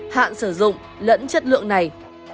hạn sử dụng lẫn chất lượng này